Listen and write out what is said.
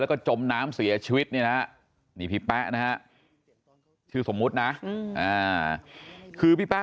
แล้วก็จมน้ำเสียชีวิตเนี่ยนะนี่พี่แป๊ะนะฮะชื่อสมมุตินะคือพี่แป๊